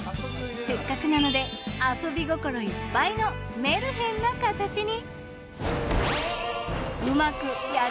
せっかくなので遊び心いっぱいのメルヘンな形に。